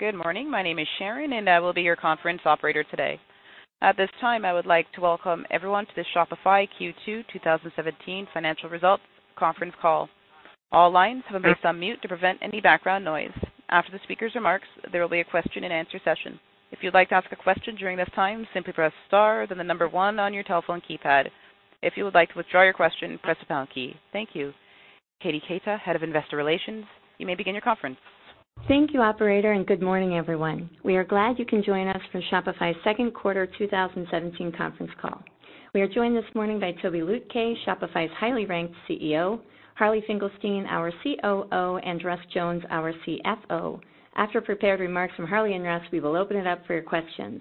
Good morning. My name is Sharon, and I will be your conference operator today. At this time, I would like to welcome everyone to the Shopify Q2 2017 Financial Results Conference Call. All lines have been placed on mute to prevent any background noise. After the speaker's remarks, there will be a question-and-answer session. If you'd like to ask a question during this time, simply press star then the number one on your telephone keypad. If you would like to withdraw your question, press the pound key. Thank you. Katie Keita, Head of Investor Relations, you may begin your conference. Thank you, Operator, good morning, everyone. We are glad you can join us for Shopify's Second Quarter 2017 Conference Call. We are joined this morning by Tobi Lütke, Shopify's highly ranked CEO, Harley Finkelstein, our COO, and Russ Jones, our CFO. After prepared remarks from Harley and Russ, we will open it up for your questions.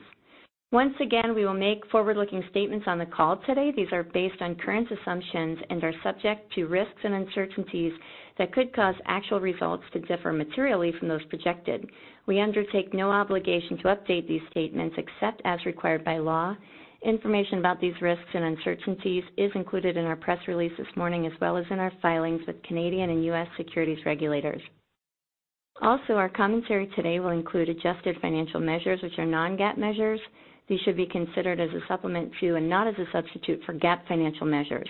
Once again, we will make forward-looking statements on the call today. These are based on current assumptions and are subject to risks and uncertainties that could cause actual results to differ materially from those projected. We undertake no obligation to update these statements except as required by law. Information about these risks and uncertainties is included in our press release this morning, as well as in our filings with Canadian and U.S. securities regulators. Our commentary today will include adjusted financial measures which are non-GAAP measures. These should be considered as a supplement to and not as a substitute for GAAP financial measures.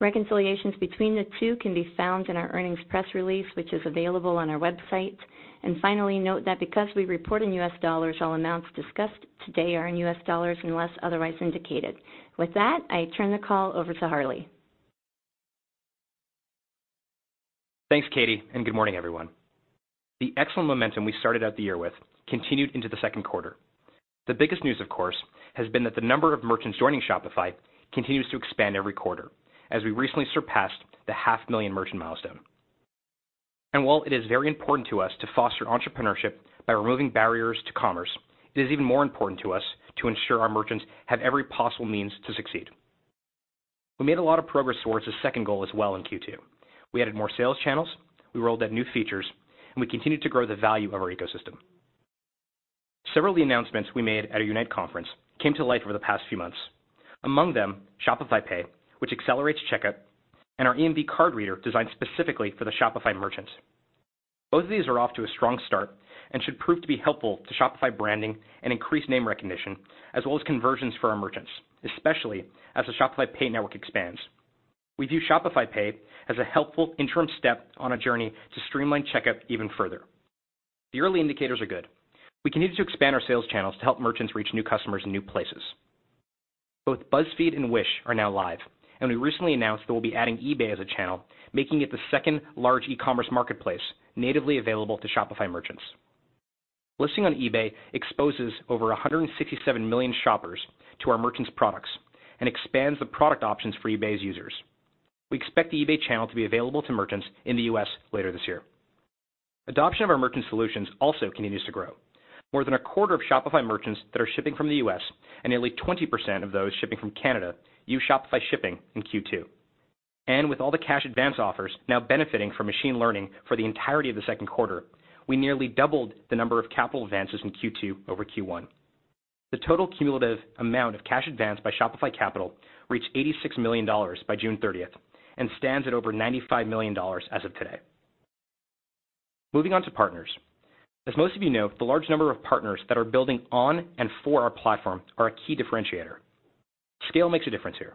Reconciliations between the two can be found in our earnings press release, which is available on our website. Finally, note that because we report in U.S. dollars, all amounts discussed today are in U.S. dollars unless otherwise indicated. With that, I turn the call over to Harley. Thanks, Katie, and good morning, everyone. The excellent momentum we started out the year with continued into the second quarter. The biggest news, of course, has been that the number of merchants joining Shopify continues to expand every quarter as we recently surpassed the 500,000 merchant milestone. While it is very important to us to foster entrepreneurship by removing barriers to commerce, it is even more important to us to ensure our merchants have every possible means to succeed. We made a lot of progress towards the second goal as well in Q2. We added more sales channels, we rolled out new features, and we continued to grow the value of our ecosystem. Several of the announcements we made at our Unite conference came to life over the past few months. Among them, Shopify Pay, which accelerates checkout, and our EMV card reader designed specifically for the Shopify merchants. Both of these are off to a strong start and should prove to be helpful to Shopify branding and increase name recognition as well as conversions for our merchants, especially as the Shopify Pay network expands. We view Shopify Pay as a helpful interim step on a journey to streamline checkout even further. The early indicators are good. We continue to expand our sales channels to help merchants reach new customers in new places. Both BuzzFeed and Wish are now live, and we recently announced that we will be adding eBay as a channel, making it the second large e-commerce marketplace natively available to Shopify merchants. Listing on eBay exposes over 167 million shoppers to our merchants' products and expands the product options for eBay's users. We expect the eBay channel to be available to merchants in the U.S. later this year. Adoption of our merchant solutions also continues to grow. More than a quarter of Shopify merchants that are shipping from the U.S. and nearly 20% of those shipping from Canada use Shopify Shipping in Q2. With all the cash advance offers now benefiting from machine learning for the entirety of the second quarter, we nearly doubled the number of capital advances in Q2 over Q1. The total cumulative amount of cash advanced by Shopify Capital reached $86 million by 30th June and stands at over $95 million as of today. Moving on to partners. As most of you know, the large number of partners that are building on and for our platform are a key differentiator. Scale makes a difference here.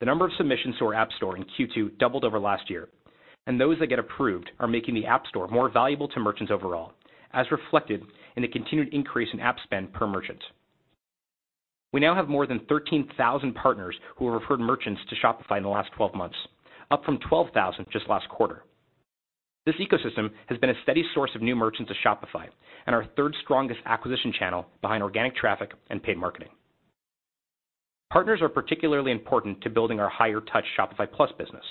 The number of submissions to our App Store in Q2 doubled over last year, and those that get approved are making the App Store more valuable to merchants overall, as reflected in the continued increase in app spend per merchant. We now have more than 13,000 partners who have referred merchants to Shopify in the last 12 months, up from 12,000 just last quarter. This ecosystem has been a steady source of new merchants to Shopify and our third strongest acquisition channel behind organic traffic and paid marketing. Partners are particularly important to building our higher touch Shopify Plus business.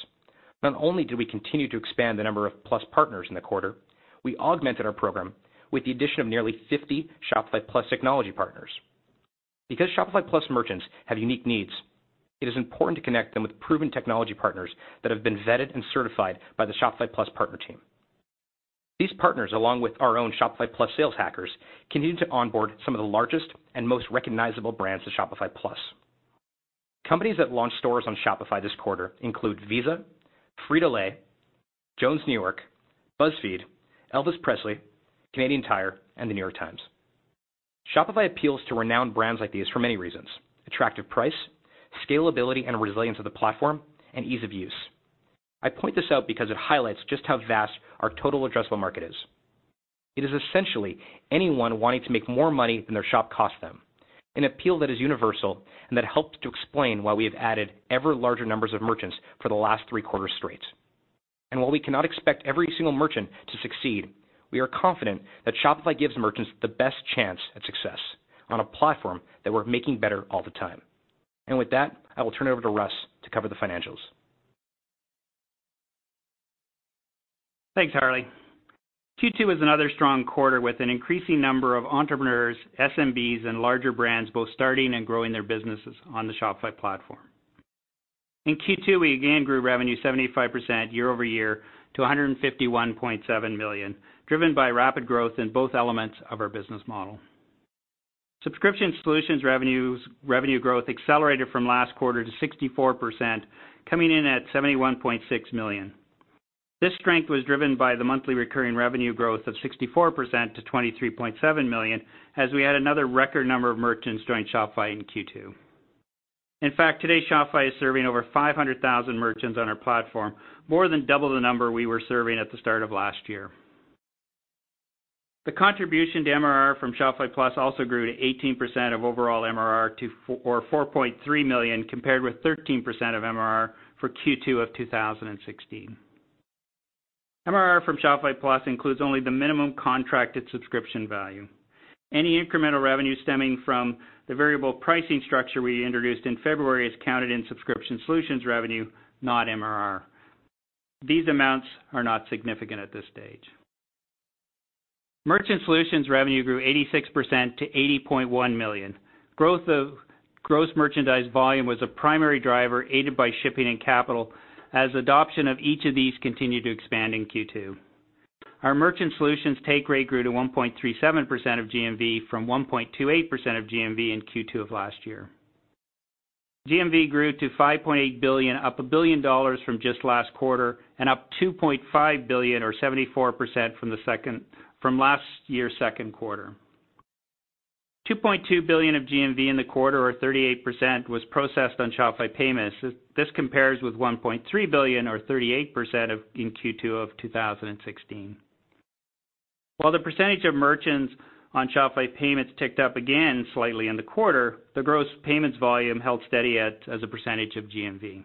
Not only do we continue to expand the number of Plus partners in the quarter, we augmented our program with the addition of nearly 50 Shopify Plus technology partners. Because Shopify Plus merchants have unique needs, it is important to connect them with proven technology partners that have been vetted and certified by the Shopify Plus partner team. These partners along with our own Shopify Plus sales hackers continue to onboard some of the largest and most recognizable brands to Shopify Plus. Companies that launched stores on Shopify this quarter include Visa, Frito-Lay, Jones New York, BuzzFeed, Elvis Presley, Canadian Tire, and The New York Times. Shopify appeals to renowned brands like these for many reasons, attractive price, scalability and resilience of the platform, and ease of use. I point this out because it highlights just how vast our total addressable market is. It is essentially anyone wanting to make more money than their shop costs them, an appeal that is universal and that helps to explain why we have added ever larger numbers of merchants for the last three quarters straight. While we cannot expect every single merchant to succeed, we are confident that Shopify gives merchants the best chance at success on a platform that we're making better all the time. With that, I will turn it over to Russ to cover the financials. Thanks, Harley. Q2 is another strong quarter with an increasing number of entrepreneurs, SMBs, and larger brands both starting and growing their businesses on the Shopify platform. In Q2, we again grew revenue 75% year over year to $151.7 million, driven by rapid growth in both elements of our business model. Subscription solutions revenue growth accelerated from last quarter to 64%, coming in at $71.6 million. This strength was driven by the monthly recurring revenue growth of 64% to $23.7 million as we had another record number of merchants join Shopify in Q2. In fact, today, Shopify is serving over 500,000 merchants on our platform, more than double the number we were serving at the start of last year. The contribution to MRR from Shopify Plus also grew to 18% of overall MRR or $4.3 million, compared with 13% of MRR for Q2 of 2016. MRR from Shopify Plus includes only the minimum contracted subscription value. Any incremental revenue stemming from the variable pricing structure we introduced in February is counted in subscription solutions revenue, not MRR. These amounts are not significant at this stage. Merchant Solutions revenue grew 86% to $80.1 million. Gross merchandise volume was a primary driver, aided by shipping and capital as adoption of each of these continued to expand in Q2. Our Merchant Solutions take rate grew to 1.37% of GMV from 1.28% of GMV in Q2 of last year. GMV grew to $5.8 billion, up $1 billion from just last quarter and up $2.5 billion or 74% from last year's Q2. $2.2 billion of GMV in the quarter or 38% was processed on Shopify Payments. This compares with $1.3 billion or 38% in Q2 of 2016. While the percentage of merchants on Shopify Payments ticked up again slightly in the quarter, the gross payments volume held steady as a percentage of GMV.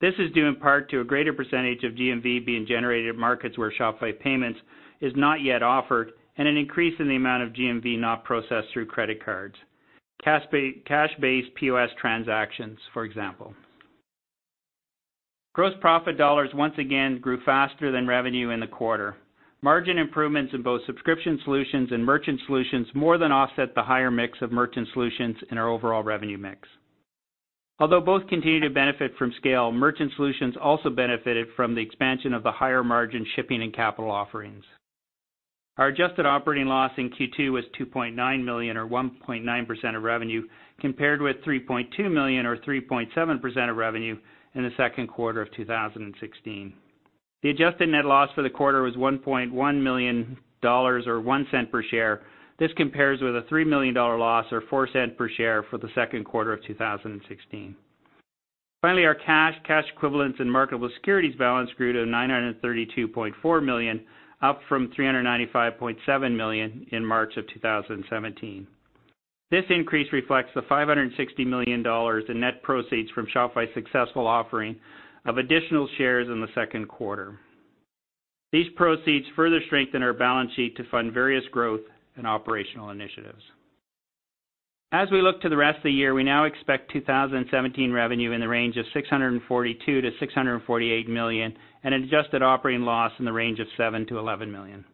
This is due in part to a greater percentage of GMV being generated in markets where Shopify Payments is not yet offered and an increase in the amount of GMV not processed through credit cards. Cash-based POS transactions, for example. Gross profit dollars once again grew faster than revenue in the quarter. Margin improvements in both Subscription Solutions and Merchant Solutions more than offset the higher mix of Merchant Solutions in our overall revenue mix. Although both continue to benefit from scale, Merchant Solutions also benefited from the expansion of the higher-margin Shipping and Capital offerings. Our adjusted operating loss in Q2 was 2.9 million or 1.9% of revenue, compared with 3.2 million or 3.7% of revenue in the second quarter of 2016. The adjusted net loss for the quarter was 1.1 million dollars or 0.01 per share. This compares with a 3 million dollar loss or 0.04 per share for the second quarter of 2016. Finally, our cash equivalents and marketable securities balance grew to $932.4 million, up from $395.7 million in March 2017. This increase reflects the $560 million in net proceeds from Shopify's successful offering of additional shares in the second quarter. These proceeds further strengthen our balance sheet to fund various growth and operational initiatives. As we look to the rest of the year, we now expect 2017 revenue in the range of $642 million to $648 million and adjusted operating loss in the range of $7 million to $11 million.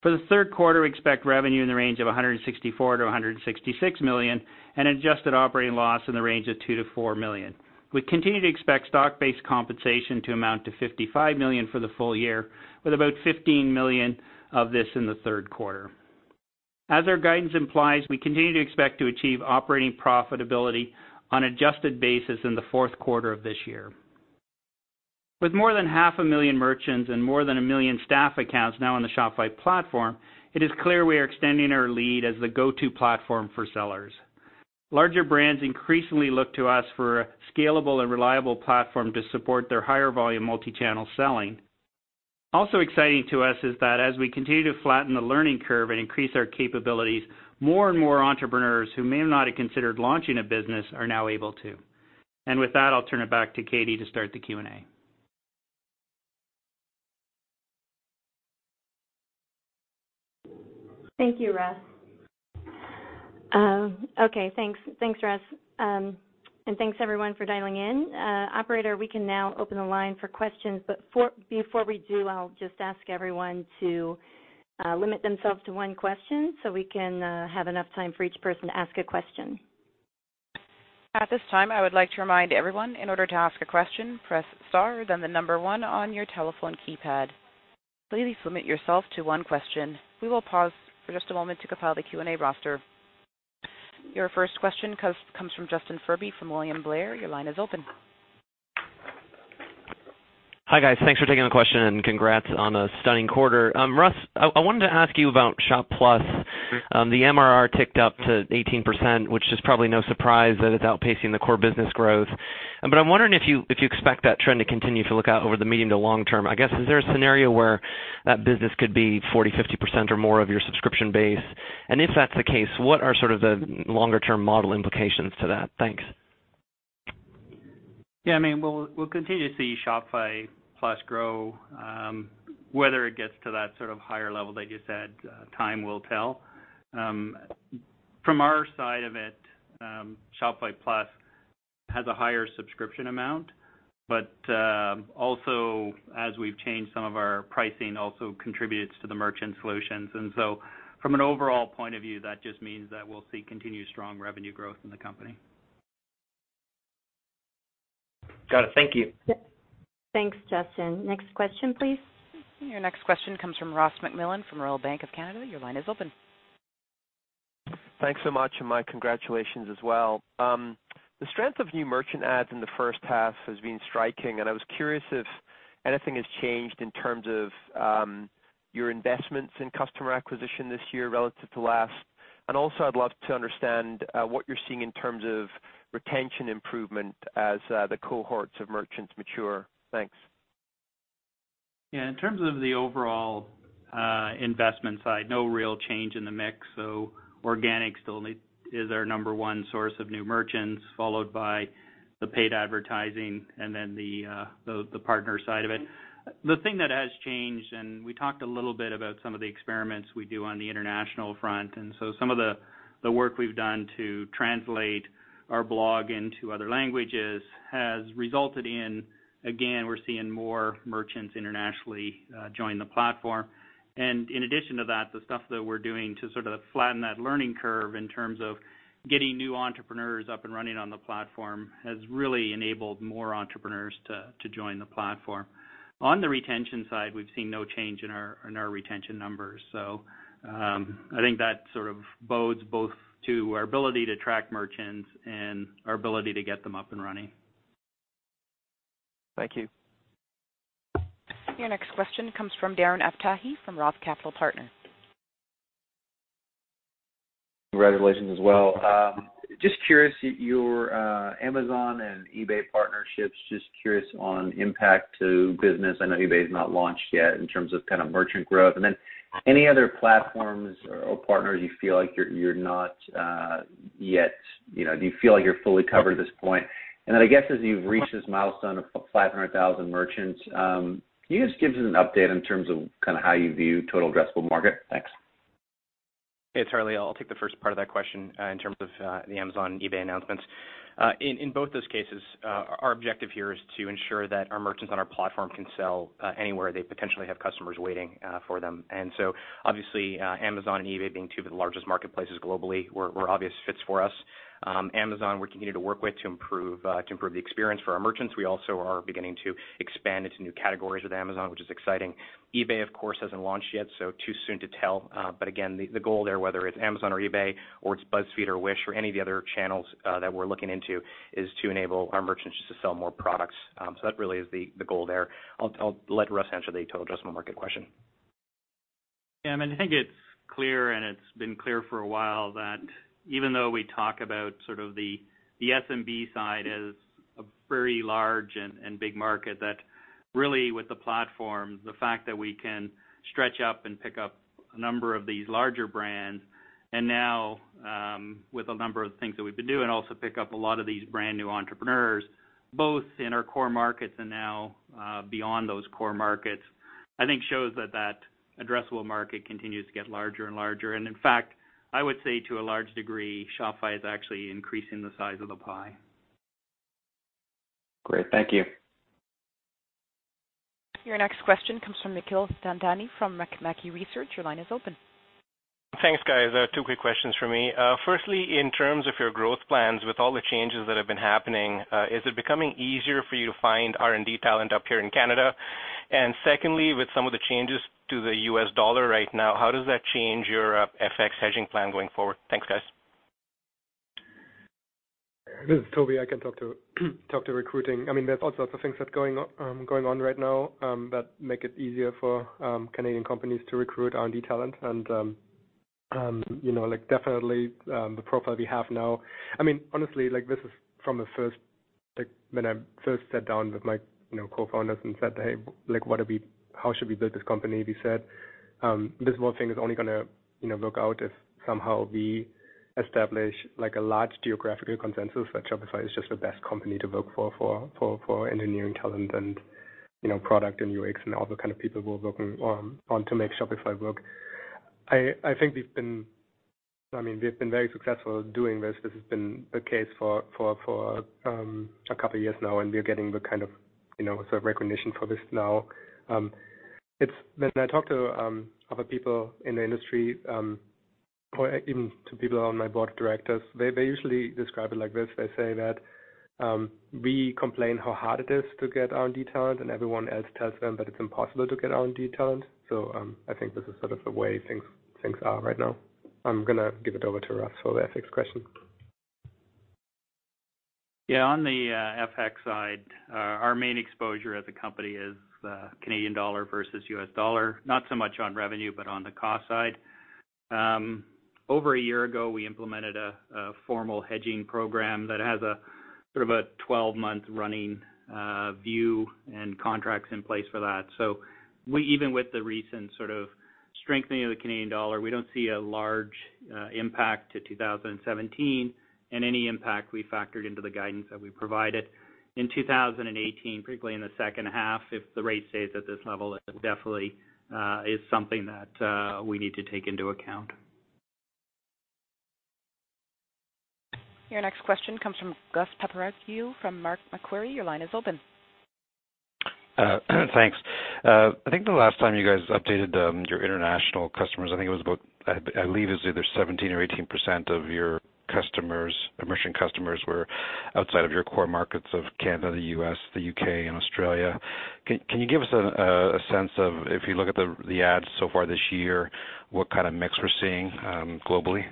For the third quarter, we expect revenue in the range of $164 million to $166 million and adjusted operating loss in the range of $2 million to $4 million. We continue to expect stock-based compensation to amount to $55 million for the full year, with about $15 million of this in the third quarter. As our guidance implies, we continue to expect to achieve operating profitability on adjusted basis in the fourth quarter of this year. With more than half a million merchants and more than 1 million staff accounts now on the Shopify platform, it is clear we are extending our lead as the go-to platform for sellers. Larger brands increasingly look to us for a scalable and reliable platform to support their higher volume multi-channel selling. Exciting to us is that as we continue to flatten the learning curve and increase our capabilities, more and more entrepreneurs who may not have considered launching a business are now able to. With that, I'll turn it back to Katie to start the Q&A. Thank you, Russ. Okay, thanks, Russ. Thanks everyone for dialing in. Operator, we can now open the line for questions. Before we do, I'll just ask everyone to limit themselves to one question so we can have enough time for each person to ask a question. At this time, I would like to remind everyone, in order to ask a question, press star then the number one on your telephone keypad. Please limit yourself to one question. We will pause for just a moment to compile the Q&A roster. Your first question comes from Justin Furby from William Blair. Your line is open. Hi, guys. Thanks for taking the question and congrats on a stunning quarter. Russ, I wanted to ask you about Shopify Plus. The MRR ticked up to 18%, which is probably no surprise that it's outpacing the core business growth. I'm wondering if you expect that trend to continue if you look out over the medium to long term. I guess, is there a scenario where that business could be 40%, 50% or more of your subscription base? If that's the case, what are sort of the longer-term model implications to that? Thanks. I mean, we'll continue to see Shopify Plus grow. Whether it gets to that sort of higher level that you said, time will tell. From our side of it, Shopify Plus has a higher subscription amount, but also as we've changed some of our pricing also contributes to the merchant solutions. From an overall point of view, that just means that we'll see continued strong revenue growth in the company. Got it. Thank you. Thanks, Justin. Next question, please. Your next question comes from Ross MacMillan from Royal Bank of Canada. Your line is open. Thanks so much, and my congratulations as well. The strength of new merchant adds in the first half has been striking, and I was curious if anything has changed in terms of your investments in customer acquisition this year relative to last. Also, I'd love to understand what you're seeing in terms of retention improvement as the cohorts of merchants mature. Thanks. Yeah. In terms of the overall investment side, no real change in the mix. Organic still is our number one source of new merchants, followed by the paid advertising and then the partner side of it. The thing that has changed, we talked a little bit about some of the experiments we do on the international front, some of the work we've done to translate our blog into other languages has resulted in, again, we're seeing more merchants internationally join the platform. In addition to that, the stuff that we're doing to sort of flatten that learning curve in terms of getting new entrepreneurs up and running on the platform has really enabled more entrepreneurs to join the platform. On the retention side, we've seen no change in our retention numbers. I think that sort of bodes both to our ability to track merchants and our ability to get them up and running. Thank you. Your next question comes from Darren Aftahi from Roth Capital Partners. Congratulations as well. Just curious, your Amazon and eBay partnerships, just curious on impact to business. I know eBay's not launched yet in terms of kind of merchant growth. Any other platforms or partners you feel like you're not yet, you know, do you feel like you're fully covered at this point? I guess as you've reached this milestone of 500,000 merchants, can you just give us an update in terms of kinda how you view total addressable market? Thanks. It's Harley. I'll take the first part of that question, in terms of the Amazon and eBay announcements. In both those cases, our objective here is to ensure that our merchants on our platform can sell anywhere they potentially have customers waiting for them. Obviously, Amazon and eBay being two of the largest marketplaces globally were obvious fits for us. Amazon, we continue to work with to improve to improve the experience for our merchants. We also are beginning to expand into new categories with Amazon, which is exciting. eBay, of course, hasn't launched yet, too soon to tell. Again, the goal there, whether it's Amazon or eBay, or it's BuzzFeed or Wish or any of the other channels that we're looking into, is to enable our merchants just to sell more products. That really is the goal there. I'll let Russ answer the total addressable market question. I mean, I think it's clear, and it's been clear for a while that even though we talk about sort of the SMB side as a very large and big market, that really with the platform, the fact that we can stretch up and pick up a number of these larger brands and now, with a number of things that we've been doing, also pick up a lot of these brand new entrepreneurs, both in our core markets and now, beyond those core markets, I think shows that that addressable market continues to get larger and larger. In fact, I would say to a large degree, Shopify is actually increasing the size of the pie. Great. Thank you. Your next question comes from Nikhil Thadani from Mackie Research. Your line is open. Thanks, guys. Two quick questions from me. Firstly, in terms of your growth plans, with all the changes that have been happening, is it becoming easier for you to find R&D talent up here in Canada? Secondly, with some of the changes to the U.S. dollar right now, how does that change your FX hedging plan going forward? Thanks, guys. This is Tobi. I can talk to recruiting. I mean, there's all sorts of things that's going on right now that make it easier for Canadian companies to recruit R&D talent. You know, like definitely, the profile we have now, I mean, honestly, like this is from the first, like when I first sat down with my, you know, co-founders and said, "Hey, like, how should we build this company?" We said, "This whole thing is only gonna, you know, work out if somehow we establish like a large geographical consensus that Shopify is just the best company to work for engineering talent and, you know, product and UX and all the kind of people who are working on to make Shopify work." I think we've been, I mean, we've been very successful doing this. This has been the case for a couple years now, and we are getting the kind of, you know, sort of recognition for this now. When I talk to other people in the industry, or even to people on my board of directors, they usually describe it like this. They say that we complain how hard it is to get R&D talent, and everyone else tells them that it's impossible to get R&D talent. I think this is sort of the way things are right now. I'm gonna give it over to Russ for the FX question. Yeah. On the FX side, our main exposure as a company is Canadian dollar versus US dollar, not so much on revenue, but on the cost side. Over a year ago, we implemented a formal hedging program that has a sort of a 12-month running view and contracts in place for that. We, even with the recent sort of strengthening of the Canadian dollar, we don't see a large impact to 2017, and any impact we factored into the guidance that we provided. In 2018, particularly in the second half, if the rate stays at this level, it definitely is something that we need to take into account. Your next question comes from Gus Papageorgiou from Macquarie. Your line is open. Thanks. I think the last time you guys updated, your international customers, I believe it was either 17% or 18% of your customers, merchant customers were outside of your core markets of Canada, the U.S., the U.K., and Australia. Can you give us a sense of, if you look at the ads so far this year, what kind of mix we're seeing, globally?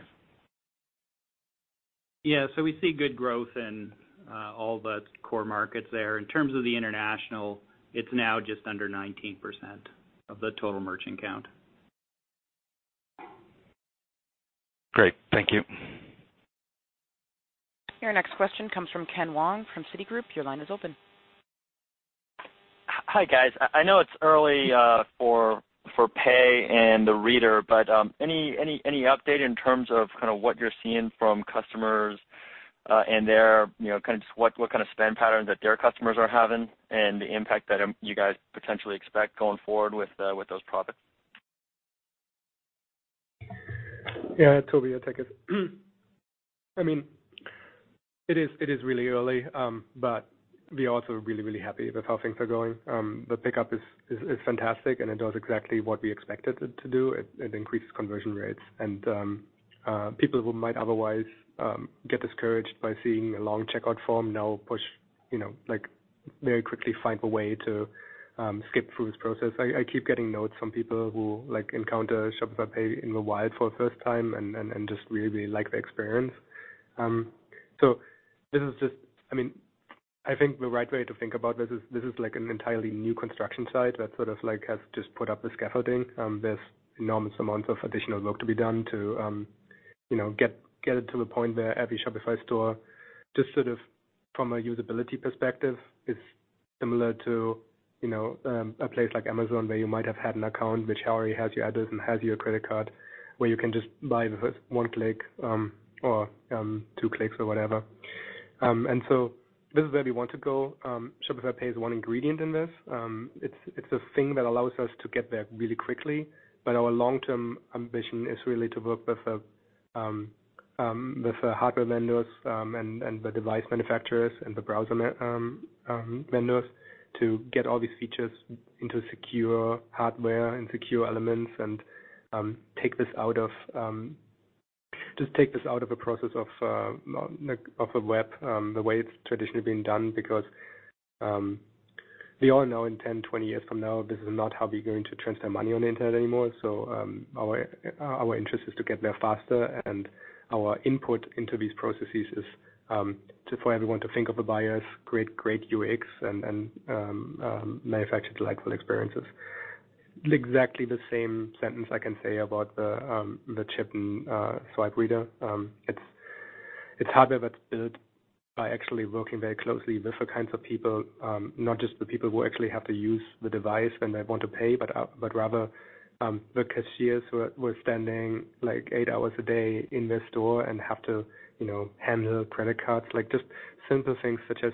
Yeah. We see good growth in all the core markets there. In terms of the international, it's now just under 19% of the total merchant count. Great. Thank you. Your next question comes from Ken Wong from Citigroup. Your line is open. Hi, guys. I know it's early, for Pay and the reader, but any update in terms of kind of what you're seeing from customers, and their, you know, kind of just what kind of spend patterns that their customers are having and the impact that you guys potentially expect going forward with those products? Yeah, Tobi, I'll take it. I mean, it is really early, we are also really, really happy with how things are going. The pickup is fantastic, it does exactly what we expected it to do. It increases conversion rates. People who might otherwise get discouraged by seeing a long checkout form now push, you know, like very quickly find a way to skip through this process. I keep getting notes from people who, like, encounter Shopify Pay in the wild for the first time and just really, really like the experience. This is just I mean, I think the right way to think about this is this is like an entirely new construction site that sort of like has just put up the scaffolding. There's enormous amounts of additional work to be done to, you know, get it to the point where every Shopify store, just sort of from a usability perspective, is similar to, you know, a place like Amazon, where you might have had an account which already has your address and has your credit card, where you can just buy with one click, or two clicks or whatever. This is where we want to go. Shopify Pay is one ingredient in this. It's the thing that allows us to get there really quickly. Our long-term ambition is really to work with the hardware vendors and the device manufacturers and the browser vendors to get all these features into secure hardware and secure elements and take this out of a process of a web the way it's traditionally been done. We all know in 10, 20 years from now, this is not how we're going to transfer money on the internet anymore. Our interest is to get there faster, and our input into these processes is just for everyone to think of the buyers, create great UX and manufacture delightful experiences. Exactly the same sentence I can say about the chip and swipe reader. It's hardware that's built by actually working very closely with the kinds of people, not just the people who actually have to use the device when they want to pay, but rather, the cashiers who were standing like 8 hours a day in the store and have to, you know, handle credit cards. Like just simple things such as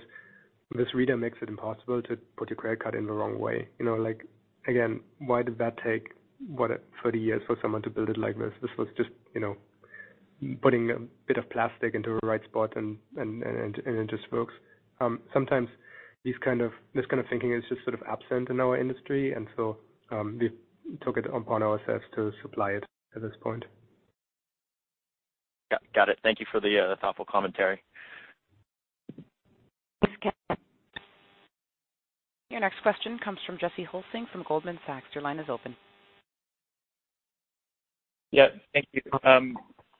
this reader makes it impossible to put your credit card in the wrong way. You know, like, again, why did that take, what, 30 years for someone to build it like this? This was just, you know, putting a bit of plastic into the right spot and it just works. Sometimes this kind of thinking is just sort of absent in our industry. We took it upon ourselves to supply it at this point. Yeah, got it. Thank you for the thoughtful commentary. Thanks, Ken. Your next question comes from Jesse Hulsing from Goldman Sachs. Yeah. Thank you.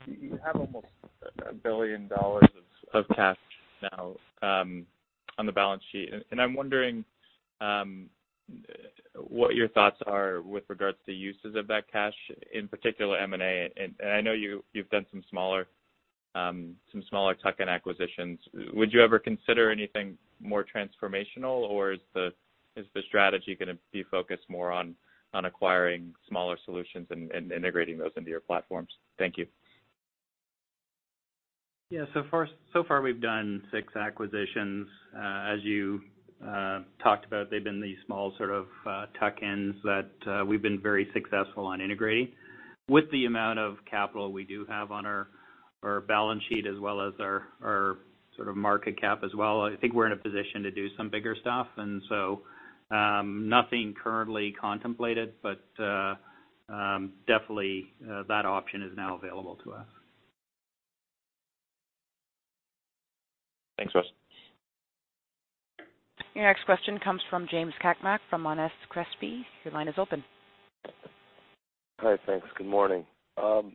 You have almost $1 billion of cash now on the balance sheet. I'm wondering what your thoughts are with regards to uses of that cash, in particular M&A. I know you've done some smaller tuck-in acquisitions. Would you ever consider anything more transformational, or is the strategy gonna be focused more on acquiring smaller solutions and integrating those into your platforms? Thank you. Yeah. So far we've done six acquisitions. As you talked about, they've been these small sort of tuck-ins that we've been very successful on integrating. With the amount of capital we do have on our balance sheet as well as our sort of market cap as well, I think we're in a position to do some bigger stuff. Nothing currently contemplated, but definitely that option is now available to us. Thanks, guys. Your next question comes from James Cakmak from Monness, Crespi. Your line is open. Hi. Thanks. Good morning. Well,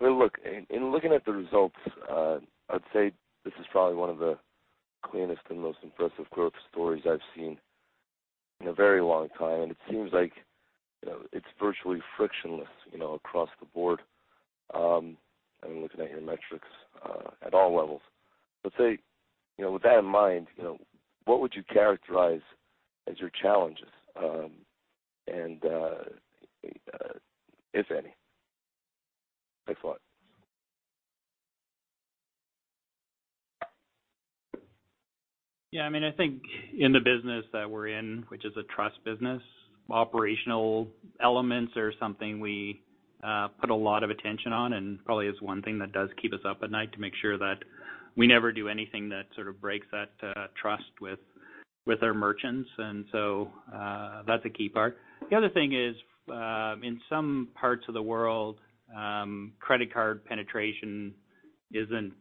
look, in looking at the results, I'd say this is probably one of the cleanest and most impressive growth stories I've seen in a very long time. It seems like, you know, it's virtually frictionless, you know, across the board, I mean, looking at your metrics, at all levels. Let's say, you know, with that in mind, you know, what would you characterize as your challenges, if any? Thanks a lot. I mean, I think in the business that we're in, which is a trust business, operational elements are something we put a lot of attention on, and probably is one thing that does keep us up at night to make sure that we never do anything that sort of breaks that trust with our merchants. So that's a key part. The other thing is, in some parts of the world, credit card penetration isn't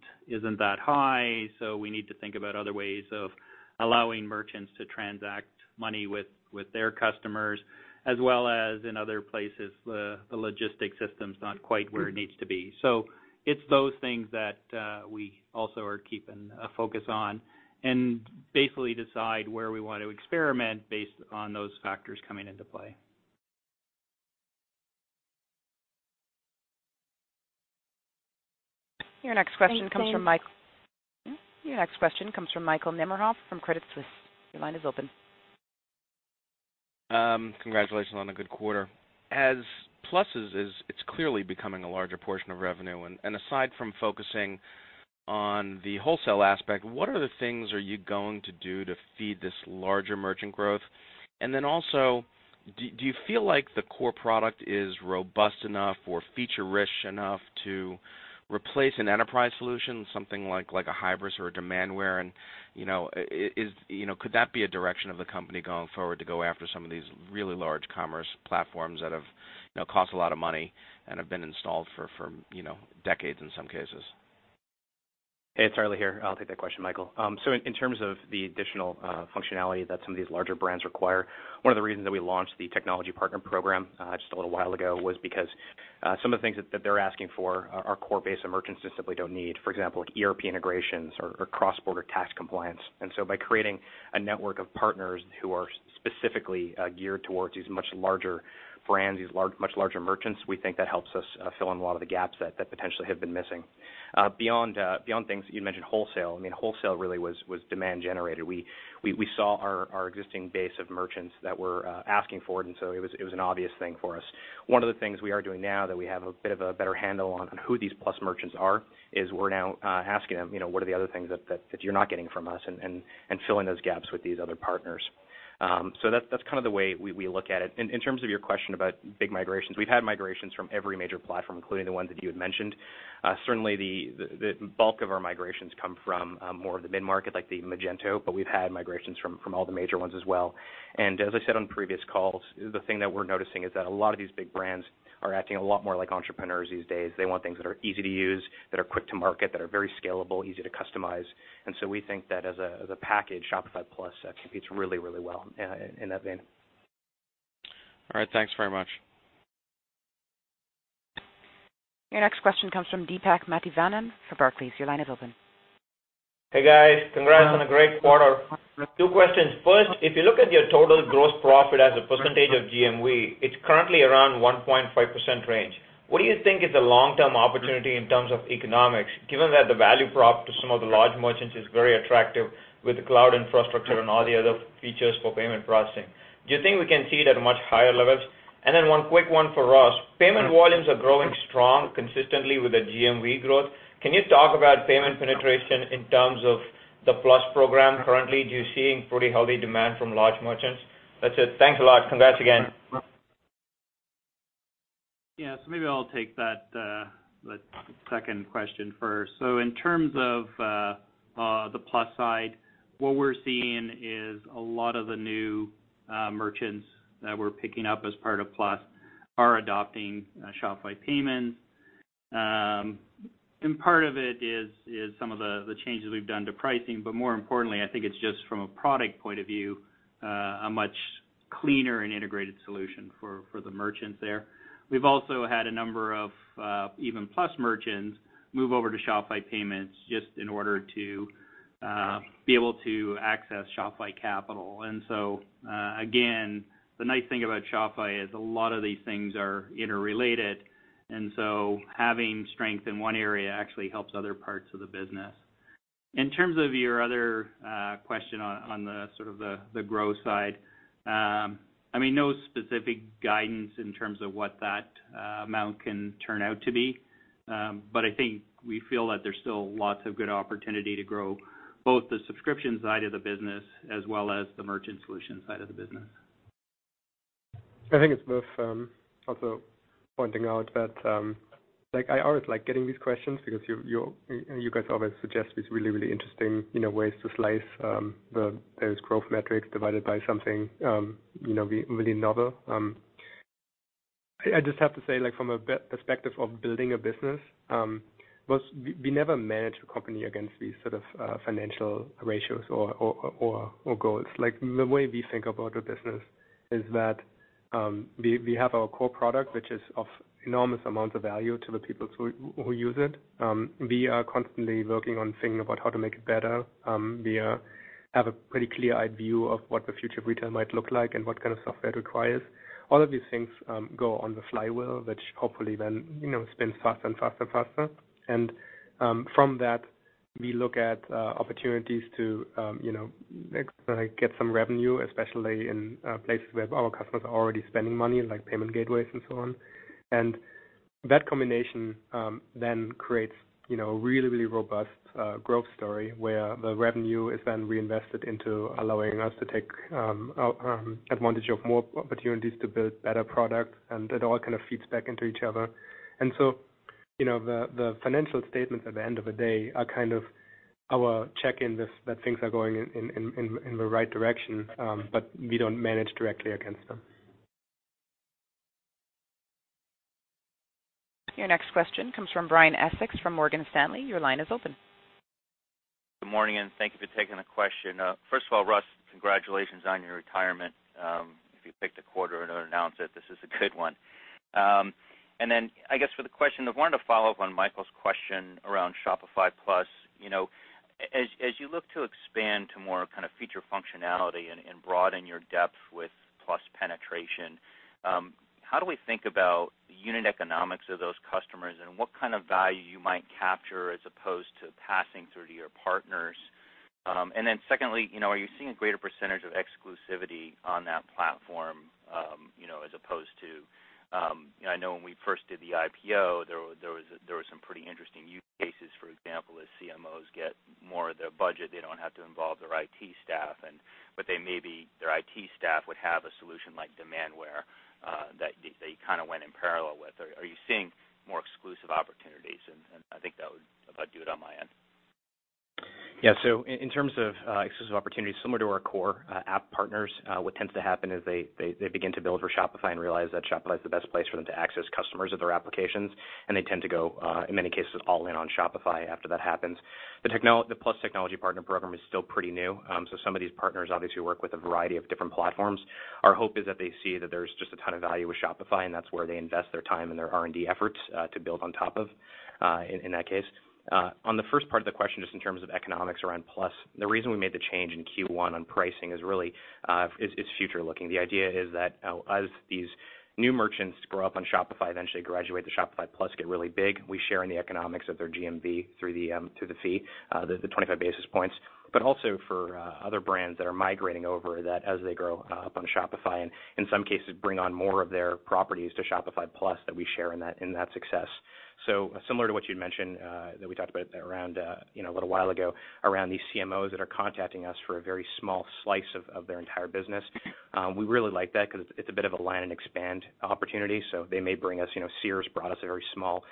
that high, so we need to think about other ways of allowing merchants to transact money with their customers, as well as in other places, the logistics system's not quite where it needs to be. It's those things that we also are keeping a focus on, and basically decide where we want to experiment based on those factors coming into play. Your next question comes from Michael Nemeroff. Thank you. Your next question comes from Michael Nemeroff from Credit Suisse. Your line is open. Congratulations on a good quarter. As Plus is it's clearly becoming a larger portion of revenue. Aside from focusing on the wholesale aspect, what other things are you going to do to feed this larger merchant growth? Then also, do you feel like the core product is robust enough or feature-rich enough to replace an enterprise solution, something like a Hybris or a Demandware? You know, could that be a direction of the company going forward to go after some of these really large commerce platforms that have, you know, cost a lot of money and have been installed for, you know, decades in some cases? Hey, it's Harley here. I'll take that question, Michael. In terms of the additional functionality that some of these larger brands require, one of the reasons that we launched the technology partner program just a little while ago, was because some of the things that they're asking for our core base of merchants just simply don't need. For example, like ERP integrations or cross-border tax compliance. By creating a network of partners who are specifically geared towards these much larger brands, these much larger merchants, we think that helps us fill in a lot of the gaps that potentially have been missing. Beyond things that you mentioned, wholesale. I mean, wholesale really was demand generated. We saw our existing base of merchants that were asking for it, and so it was an obvious thing for us. One of the things we are doing now that we have a bit of a better handle on who these Plus merchants are, is we're now asking them, you know, "What are the other things that you're not getting from us?" Fill in those gaps with these other partners. That's kind of the way we look at it. In terms of your question about big migrations, we've had migrations from every major platform, including the ones that you had mentioned. Certainly the bulk of our migrations come from more of the mid-market, like the Magento, but we've had migrations from all the major ones as well. As I said on previous calls, the thing that we're noticing is that a lot of these big brands are acting a lot more like entrepreneurs these days. They want things that are easy to use, that are quick to market, that are very scalable, easy to customize. We think that as a package, Shopify Plus competes really, really well in that vein. All right. Thanks very much. Your next question comes from Deepak Mathivanan for Barclays. Your line is open. Hey, guys. Congrats on a great quarter. Two questions. First, if you look at your total gross profit as a percentage of GMV, it's currently around 1.5% range. What do you think is the long-term opportunity in terms of economics, given that the value prop to some of the large merchants is very attractive with the cloud infrastructure and all the other features for payment processing? Do you think we can see it at much higher levels? One quick one for Ross. Payment volumes are growing strong consistently with the GMV growth. Can you talk about payment penetration in terms of the Shopify Plus program currently? Do you seeing pretty healthy demand from large merchants? That's it. Thanks a lot. Congrats again. Maybe I'll take that second question first. In terms of the Plus side, what we're seeing is a lot of the new merchants that we're picking up as part of Plus are adopting Shopify Payments. Part of it is some of the changes we've done to pricing. More importantly, I think it's just from a product point of view, a much cleaner and integrated solution for the merchants there. We've also had a number of even Plus merchants move over to Shopify Payments just in order to be able to access Shopify Capital. Again, the nice thing about Shopify is a lot of these things are interrelated, and so having strength in one area actually helps other parts of the business. In terms of your other question on the sort of the growth side, I mean, no specific guidance in terms of what that amount can turn out to be. I think we feel that there's still lots of good opportunity to grow both the subscription side of the business as well as the merchant solution side of the business. I think it's worth also pointing out that like I always like getting these questions because you guys always suggest these really interesting, you know, ways to slice those growth metrics divided by something, you know, really novel. I just have to say, like, from a perspective of building a business, well, we never manage a company against these sort of financial ratios or goals. Like, the way we think about a business is that we have our core product, which is of enormous amounts of value to the people who use it. We are constantly working on thinking about how to make it better. We have a pretty clear-eyed view of what the future of retail might look like and what kind of software it requires. All of these things go on the flywheel, which hopefully then, you know, spins faster and faster and faster. From that, we look at opportunities to, you know, like, get some revenue, especially in places where our customers are already spending money, like payment gateways and so on. That combination then creates, you know, a really, really robust growth story, where the revenue is then reinvested into allowing us to take advantage of more opportunities to build better products, and it all kind of feeds back into each other. You know, the financial statements at the end of the day are kind of our check-in this, that things are going in the right direction, but we don't manage directly against them. Your next question comes from Brian Essex from Morgan Stanley. Your line is open. Good morning, and thank you for taking the question. First of all, Russ, congratulations on your retirement. If you picked a quarter to announce it, this is a good one. I guess for the question, I wanted to follow up on Michael's question around Shopify Plus. You know, as you look to expand to more kind of feature functionality and broaden your depth with Plus penetration, how do we think about unit economics of those customers and what kind of value you might capture as opposed to passing through to your partners? Then secondly, you know, are you seeing a greater percentage of exclusivity on that platform, you know, as opposed to, you know, I know when we first did the IPO, there was some pretty interesting use cases, for example, as CMOs get more of their budget, they don't have to involve their IT staff and, but they may be, their IT staff would have a solution like Demandware that they kinda went in parallel with. Are you seeing more exclusive opportunities? I think that would about do it on my end. Yeah. In terms of exclusive opportunities similar to our core app partners, what tends to happen is they, they begin to build for Shopify and realize that Shopify is the best place for them to access customers of their applications, and they tend to go in many cases, all in on Shopify after that happens. The Plus technology partner program is still pretty new. Some of these partners obviously work with a variety of different platforms. Our hope is that they see that there's just a ton of value with Shopify, and that's where they invest their time and their R&D efforts to build on top of in that case. On the first part of the question, just in terms of economics around Shopify Plus, the reason we made the change in Q1 on pricing is really future looking. The idea is that, as these new merchants grow up on Shopify, eventually graduate to Shopify Plus, get really big, we share in the economics of their GMV through the fee, the 25 basis points. Also for other brands that are migrating over that as they grow up on Shopify and in some cases bring on more of their properties to Shopify Plus that we share in that, in that success. Similar to what you'd mentioned, that we talked about a little while ago around these CMOs that are contacting us for a very small slice of their entire business. We really like that 'cause it's a bit of land and expand opportunity. So they may bring us, you know, Sears brought us a very small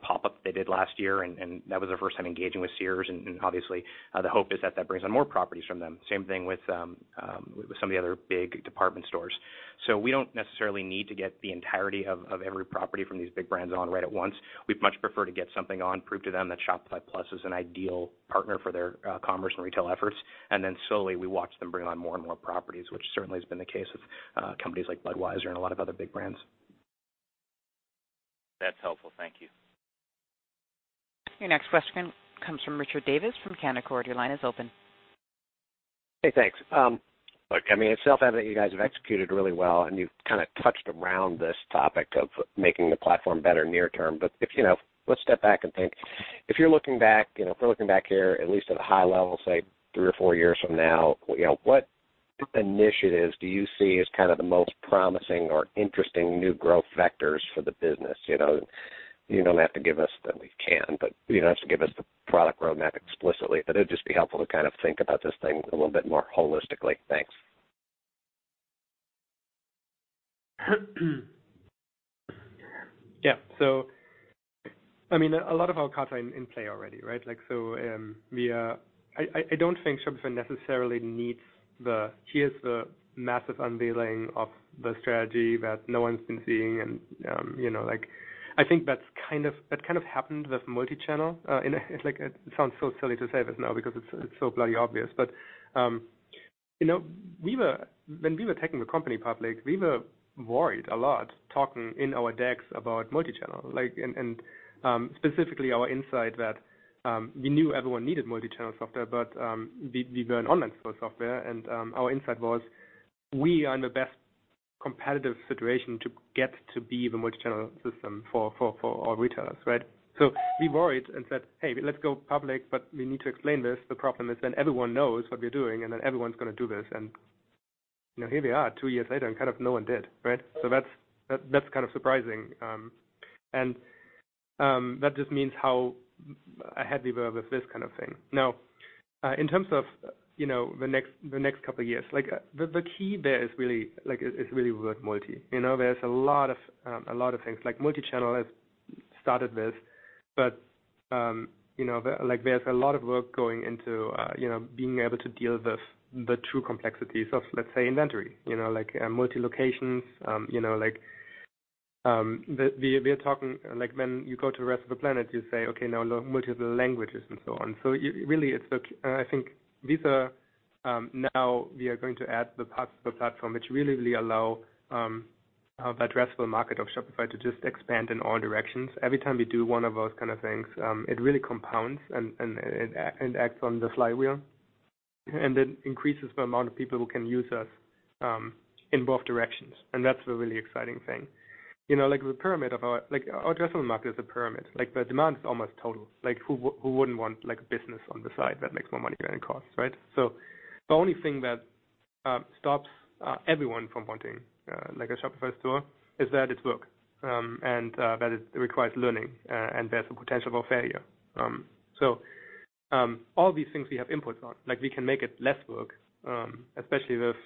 pop-up that they did last year, and that was our first time engaging with Sears, and obviously, the hope is that that brings on more properties from them. Same thing with some of the other big department stores. So we don't necessarily need to get the entirety of every property from these big brands on right at once. We'd much prefer to get something on, prove to them that Shopify Plus is an ideal partner for their commerce and retail efforts. Then slowly we watch them bring on more and more properties, which certainly has been the case with companies like Budweiser and a lot of other big brands. That's helpful. Thank you. Your next question comes from Richard Davis from Canaccord. Your line is open. Hey, thanks. Look, I mean, it's self-evident that you guys have executed really well, and you've kind of touched around this topic of making the platform better near term. If, you know, let's step back and think. If you're looking back, you know, if we're looking back here, at least at a high level, say three or four years from now, you know, what initiatives do you see as kind of the most promising or interesting new growth vectors for the business? You know, you don't have to give us that we can, you don't have to give us the product roadmap explicitly. It'd just be helpful to kind of think about this thing a little bit more holistically. Thanks. Yeah. I mean, a lot of our cards are in play already, right? Like, I don't think Shopify necessarily needs the, "Here's the massive unveiling of the strategy that no one's been seeing." You know, like, I think that kind of happened with multichannel. Like, it sounds so silly to say this now because it's so bloody obvious. You know, when we were taking the company public, we were worried a lot, talking in our decks about multichannel. Like, and specifically our insight that we knew everyone needed multichannel software, we weren't online for software. Our insight was, we are in the best competitive situation to get to be the multichannel system for our retailers, right? We worried and said, "Hey, let's go public, but we need to explain this." The problem is then everyone knows what we're doing, and then everyone's gonna do this. You know, here we are two years later, and kind of no one did, right? That's kind of surprising. That just means how ahead we were with this kind of thing. In terms of, you know, the next couple years, like, the key there is really, like, is really with multi. You know, there's a lot of things. Multichannel has started this, but, you know, there's a lot of work going into, you know, being able to deal with the true complexities of, let's say, inventory. You know, like multi locations. You know, like, we are talking like when you go to the rest of the planet, you say, "Okay, now multiple languages and so on." Really, I think these are, now we are going to add the parts of the platform which really, really allow the addressable market of Shopify to just expand in all directions. Every time we do one of those kind of things, it really compounds and acts on the flywheel and then increases the amount of people who can use us in both directions, and that's the really exciting thing. You know, like the pyramid of our, like our addressable market is a pyramid. Like the demand is almost total. Like who wouldn't want like a business on the side that makes more money than it costs, right? The only thing that stops everyone from wanting like a Shopify store is that it's work, and that it requires learning, and there's a potential for failure. All these things we have inputs on. Like, we can make it less work, especially with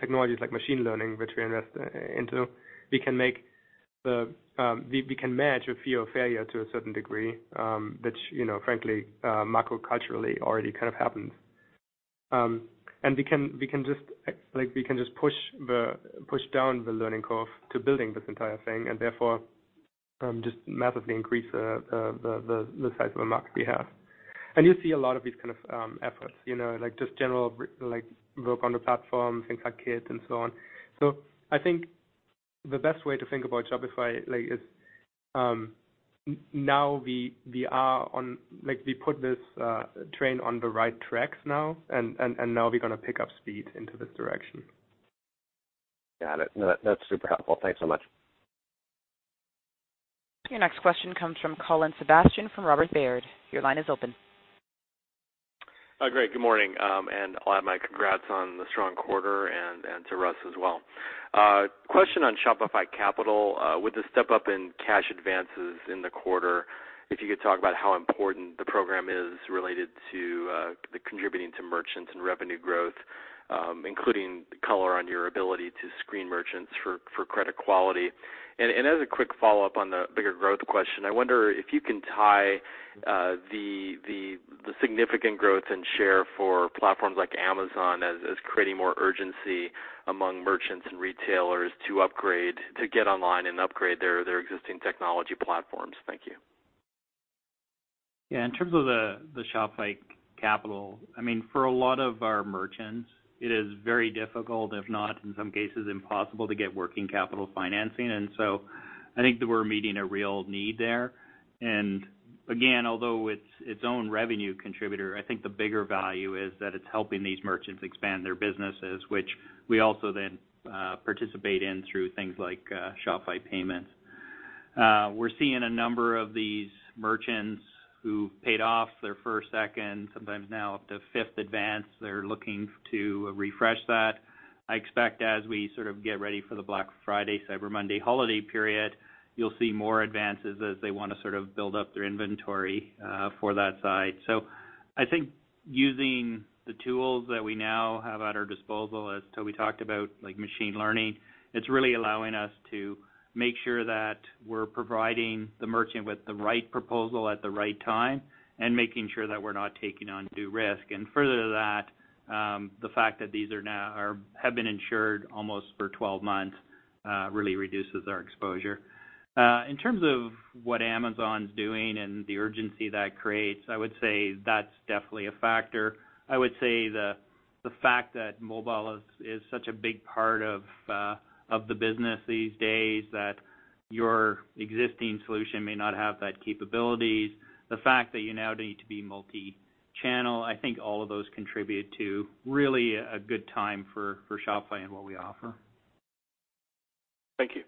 technologies like machine learning, which we invest into. We can make the, we can manage a fear of failure to a certain degree, which, you know, frankly, macro culturally already kind of happens. We can just like, push down the learning curve to building this entire thing and therefore, just massively increase the size of the market we have. You see a lot of these kind of efforts, you know, like just general like work on the platform, think our Kit and so on. I think the best way to think about Shopify like is, now we are on, like we put this train on the right tracks now and now we're gonna pick up speed into this direction. Got it. No, that's super helpful. Thanks so much. Your next question comes from Colin Sebastian from Robert Baird. Your line is open. Great. Good morning, I'll add my congrats on the strong quarter and to Russ as well. Question on Shopify Capital. With the step up in cash advances in the quarter, if you could talk about how important the program is related to the contributing to merchants and revenue growth, including color on your ability to screen merchants for credit quality. As a quick follow-up on the bigger growth question, I wonder if you can tie the, the significant growth in share for platforms like Amazon as creating more urgency among merchants and retailers to upgrade, to get online and upgrade their existing technology platforms. Thank you. In terms of the Shopify Capital, I mean, for a lot of our merchants it is very difficult, if not in some cases impossible, to get working capital financing. I think that we're meeting a real need there. Again, although it's its own revenue contributor, I think the bigger value is that it's helping these merchants expand their businesses, which we also then participate in through things like Shopify Payments. We're seeing a number of these merchants who paid off their first, second, sometimes now up to 5th advance. They're looking to refresh that. I expect as we sort of get ready for the Black Friday, Cyber Monday holiday period, you'll see more advances as they wanna sort of build up their inventory for that side. I think using the tools that we now have at our disposal, as Tobi talked about, like machine learning, it's really allowing us to make sure that we're providing the merchant with the right proposal at the right time and making sure that we're not taking on due risk. Further to that, the fact that these have been insured almost for 12 months really reduces our exposure. In terms of what Amazon's doing and the urgency that creates, I would say that's definitely a factor. I would say the fact that mobile is such a big part of the business these days, that your existing solution may not have that capabilities. The fact that you now need to be multi-channel, I think all of those contribute to really a good time for Shopify and what we offer. Thank you.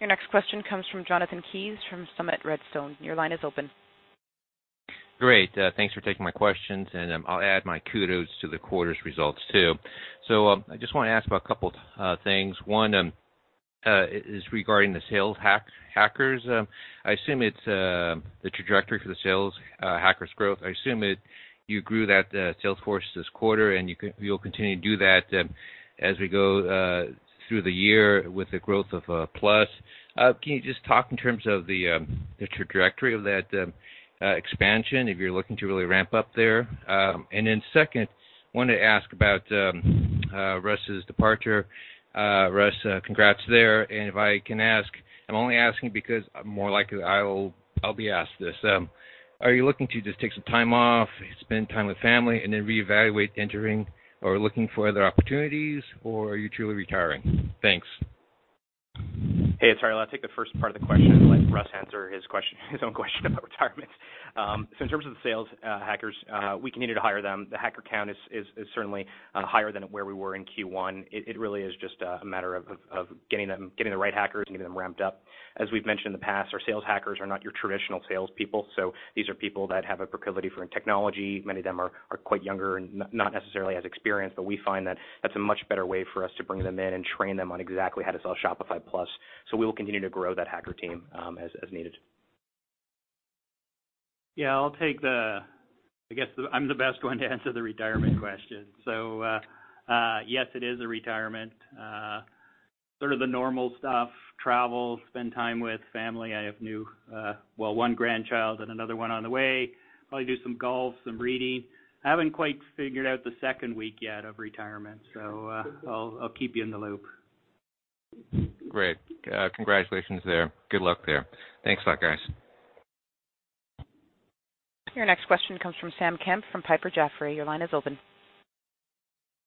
Your next question comes from Jonathan Kees from Summit Redstone. Your line is open. Great. Thanks for taking my questions and I'll add my kudos to the quarter's results too. I just wanna ask about a couple things. One is regarding the sales hackers. I assume it's the trajectory for the sales hackers growth. I assume you grew that sales force this quarter and you'll continue to do that as we go through the year with the growth of Plus. Can you just talk in terms of the trajectory of that expansion if you're looking to really ramp up there? Second, wanted to ask about Russ's departure. Russ, congrats there. If I can ask, I'm only asking because more likely I will, I'll be asked this. Are you looking to just take some time off, spend time with family, and then reevaluate entering or looking for other opportunities, or are you truly retiring? Thanks. Hey, it's Harley. I'll take the first part of the question and let Russ answer his own question about retirement. In terms of the sales hackers, we continue to hire them. The hacker count is certainly higher than where we were in Q1. It really is just a matter of getting them, getting the right hackers and getting them ramped up. As we've mentioned in the past, our sales hackers are not your traditional salespeople, so these are people that have a proclivity for technology. Many of them are quite younger and not necessarily as experienced, but we find that that's a much better way for us to bring them in and train them on exactly how to sell Shopify Plus. We will continue to grow that hacker team as needed. Yeah, I'll take the I guess the, I'm the best one to answer the retirement question. Yes, it is a retirement. Sort of the normal stuff, travel, spend time with family. I have new, well, one grandchild and another one on the way. Probably do some golf, some reading. I haven't quite figured out the second week yet of retirement, I'll keep you in the loop. Great. Congratulations there. Good luck there. Thanks a lot, guys. Your next question comes from Sam Kemp from Piper Jaffray. Your line is open.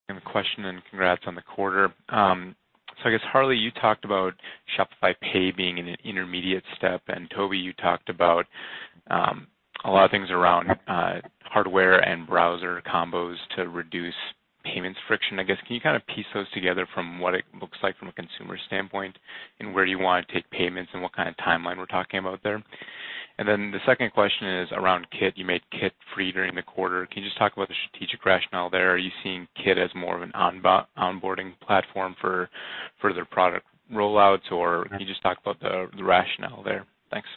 I have a question and congrats on the quarter. Harley, you talked about Shopify Pay being an intermediate step, and Tobi, you talked about a lot of things around hardware and browser combos to reduce payments friction. Can you kind of piece those together from what it looks like from a consumer standpoint, and where do you want to take payments and what kind of timeline we're talking about there? The second question is around Kit. You made Kit free during the quarter. Can you just talk about the strategic rationale there? Are you seeing Kit as more of an onboarding platform for? Further product rollouts or. Can you just talk about the rationale there? Thanks.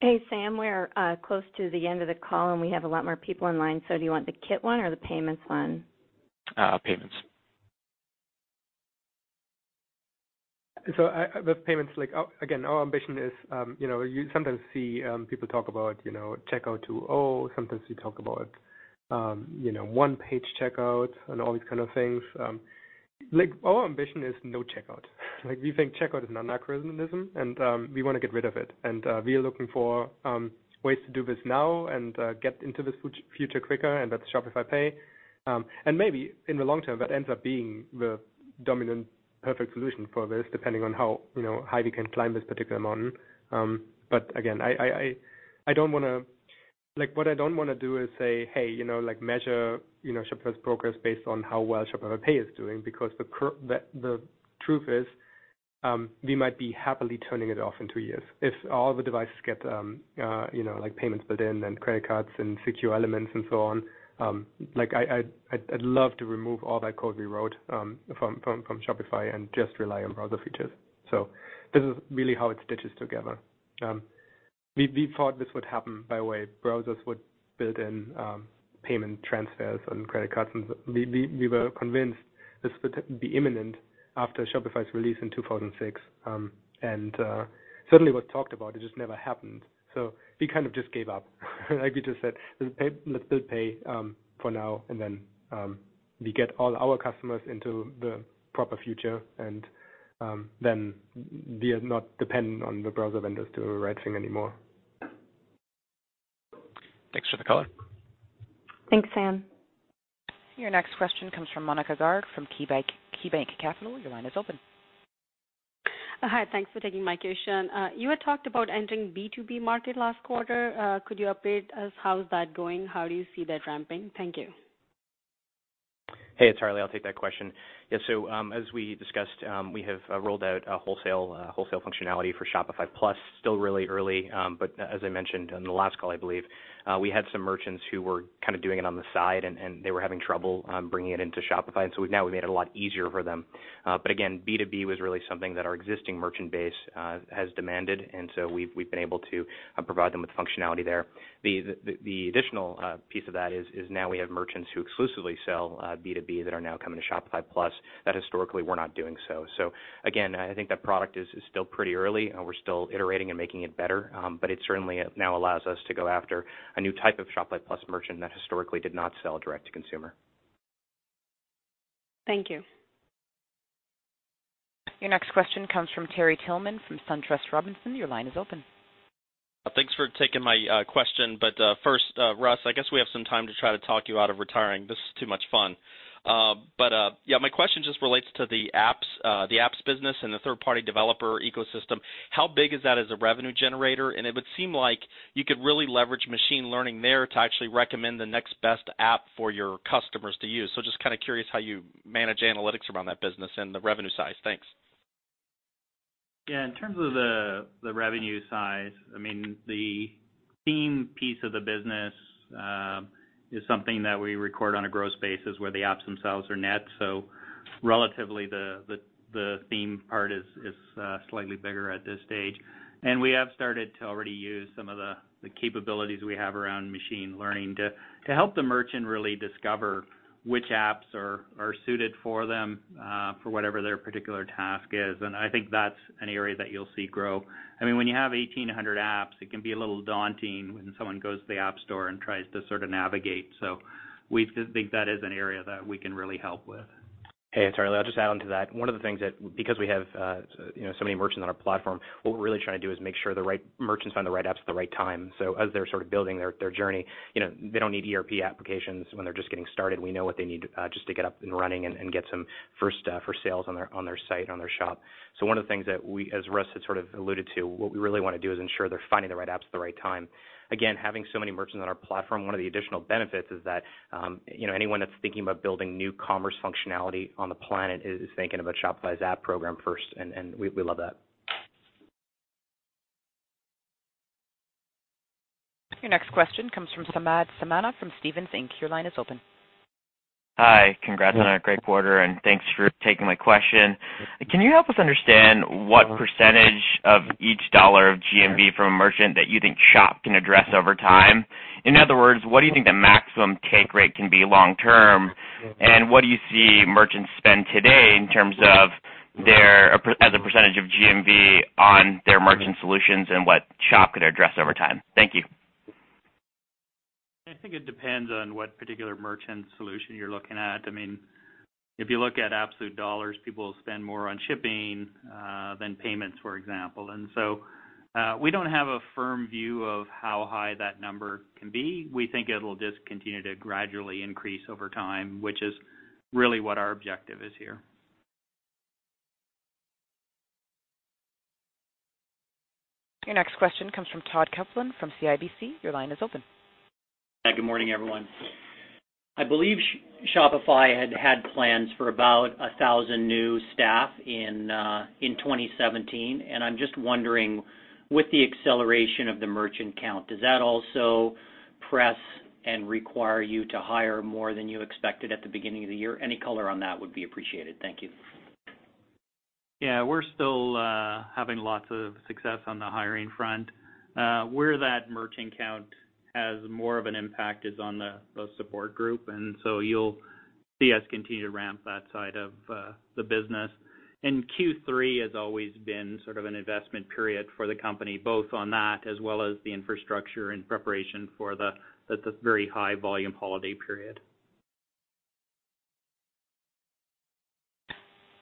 Hey, Sam, we're close to the end of the call, and we have a lot more people in line. Do you want the Kit one or the Payments one? Payments. I, with payments like, again, our ambition is, you know, you sometimes see people talk about, you know, sometimes you talk about, you know, one page checkout and all these kind of things. Like our ambition is no checkout. Like we think checkout is an anachronism, and we wanna get rid of it. We are looking for ways to do this now and get into this future quicker, and that's Shopify Pay. Maybe in the long term that ends up being the dominant perfect solution for this, depending on how, you know, high we can climb this particular mountain. Again, I don't wanna do is say, "Hey, you know, like measure, you know, Shopify's progress based on how well Shopify Pay is doing." Because the truth is, we might be happily turning it off in two years if all the devices get, you know, like payments built in and credit cards and secure elements and so on. Like I'd love to remove all that code we wrote from Shopify and just rely on browser features. This is really how it stitches together. We thought this would happen by way browsers would build in, payment transfers and credit cards and we were convinced this would be imminent after Shopify's release in 2006. Certainly was talked about, it just never happened. We kind of just gave up. We just said, "Let's pay, let's build pay, for now and then, we get all our customers into the proper future and, then we are not dependent on the browser vendors doing the right thing anymore. Thanks for the color. Thanks, Sam. Your next question comes from Monica Tait from KeyBanc Capital Markets. Your line is open. Hi. Thanks for taking my question. You had talked about entering B2B market last quarter. Could you update us how is that going? How do you see that ramping? Thank you. Hey, it's Harley. I'll take that question. Yeah. As we discussed, we have rolled out a wholesale functionality for Shopify Plus. Still really early, but as I mentioned in the last call, I believe, we had some merchants who were kind of doing it on the side and they were having trouble bringing it into Shopify. Now we've made it a lot easier for them. Again, B2B was really something that our existing merchant base has demanded, we've been able to provide them with functionality there. The additional piece of that is now we have merchants who exclusively sell B2B that are now coming to Shopify Plus that historically were not doing so. Again, I think that product is still pretty early and we're still iterating and making it better. But it certainly now allows us to go after a new type of Shopify Plus merchant that historically did not sell direct to consumer. Thank you. Your next question comes from Terry Tillman from SunTrust Robinson. Your line is open. Thanks for taking my question. First, Russ, I guess we have some time to try to talk you out of retiring. This is too much fun. Yeah, my question just relates to the apps, the apps business and the third-party developer ecosystem. How big is that as a revenue generator? It would seem like you could really leverage machine learning there to actually recommend the next best app for your customers to use. Just kinda curious how you manage analytics around that business and the revenue size. Thanks. In terms of the revenue size, I mean, the theme piece of the business is something that we record on a gross basis where the apps themselves are net. Relatively, the theme part is slightly bigger at this stage. We have started to already use some of the capabilities we have around machine learning to help the merchant really discover which apps are suited for them for whatever their particular task is. I think that's an area that you'll see grow. I mean, when you have 1,800 apps, it can be a little daunting when someone goes to the App Store and tries to sort of navigate. We think that is an area that we can really help with. Hey, it's Harley. I'll just add on to that. One of the things that because we have, you know, so many merchants on our platform, what we're really trying to do is make sure the right merchants find the right apps at the right time. As they're sort of building their journey, you know, they don't need ERP applications when they're just getting started. We know what they need just to get up and running and get some first for sales on their, on their site, on their shop. One of the things that we, as Russ had sort of alluded to, what we really want to do is ensure they're finding the right apps at the right time. Having so many merchants on our platform, one of the additional benefits is that, you know, anyone that's thinking about building new commerce functionality on the planet is thinking about Shopify's app program first, and we love that. Your next question comes from Samad Samana from Stephens Inc. Your line is open. Hi. Congrats on a great quarter. Thanks for taking my question. Can you help us understand what % of each CAD 1 of GMV from a merchant that you think Shop can address over time? In other words, what do you think the maximum take rate can be long term? What do you see merchants spend today in terms of their, as a % of GMV on their merchant solutions and what Shop could address over time? Thank you. I think it depends on what particular merchant solution you're looking at. I mean, if you look at absolute dollars, people will spend more on shipping than payments, for example. We don't have a firm view of how high that number can be. We think it'll just continue to gradually increase over time, which is really what our objective is here. Your next question comes from Todd Coupland from CIBC. Your line is open. Good morning, everyone. I believe Shopify had plans for about 1,000 new staff in 2017, and I'm just wondering, with the acceleration of the merchant count, does that also require you to hire more than you expected at the beginning of the year. Any color on that would be appreciated. Thank you. Yeah. We're still having lots of success on the hiring front. Where that merchant count has more of an impact is on the support group. You'll see us continue to ramp that side of the business. Q3 has always been sort of an investment period for the company, both on that as well as the infrastructure and preparation for the very high volume holiday period.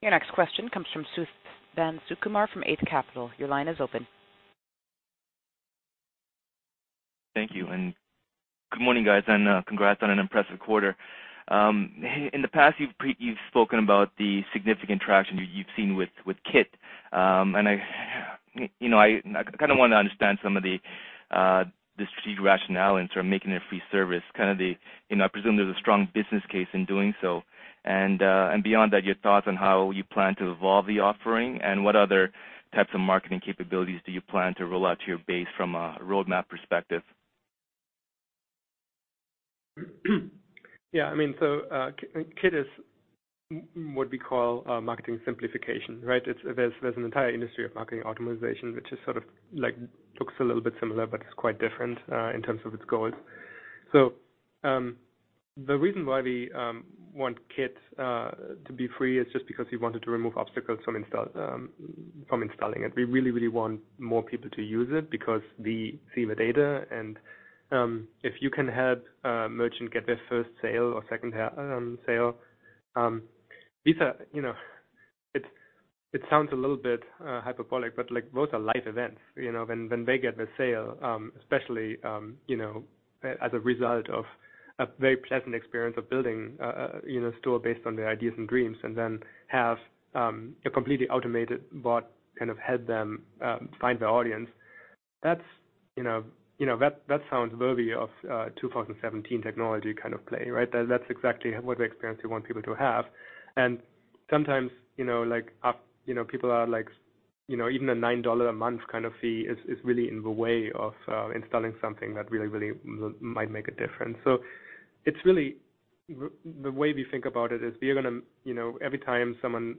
Your next question comes from Suthan Sukumar from Eight Capital. Your line is open. Thank you, good morning, guys, congrats on an impressive quarter. In the past, you've spoken about the significant traction you've seen with Kit. I, you know, I kind of want to understand some of the strategic rationale in sort of making it a free service, kind of the, you know, I presume there's a strong business case in doing so. Beyond that, your thoughts on how you plan to evolve the offering and what other types of marketing capabilities do you plan to roll out to your base from a roadmap perspective? Yeah, I mean, Kit is what we call a marketing simplification, right? It's, there's an entire industry of marketing optimization, which is sort of like, looks a little bit similar, but it's quite different in terms of its goals. The reason why we want Kit to be free is just because we wanted to remove obstacles from install, from installing it. We really want more people to use it because we see the data. If you can help a merchant get their first sale or second sale, these are, you know, it sounds a little bit hyperbolic, but like, those are life events, you know. When they get the sale, especially, you know, as a result of a very pleasant experience of building, you know, a store based on their ideas and dreams, and then have a completely automated bot kind of help them find the audience. That's, you know, that sounds worthy of a 2017 technology kind of play, right? That's exactly what the experience we want people to have. Sometimes, you know, like people are like, even a 9 dollar a month kind of fee is really in the way of installing something that really might make a difference. It's really the way we think about it is we are gonna, you know, every time someone